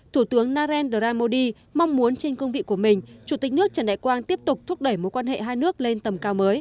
thủ tướng narendra modi mong muốn trên cương vị của mình chủ tịch nước trần đại quang tiếp tục thúc đẩy mối quan hệ hai nước lên tầm cao mới